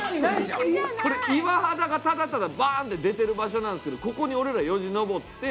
これ岩肌がただただバーンって出てる場所なんですけどここに俺らよじ登って。